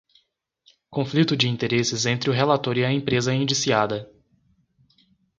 Conflito de interesses entre o relator e a empresa indiciada